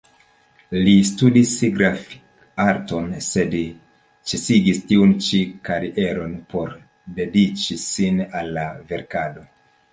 Li studis grafik-arton, sed ĉesigis tiun ĉi karieron, por dediĉi sin al la verkado.